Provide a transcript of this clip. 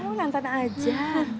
oh natan aja